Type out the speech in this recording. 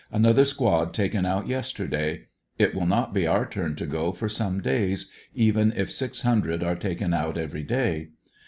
Another squad taken out yester day. It will not be our turn to go for some days, even if six hundred are taken out every day.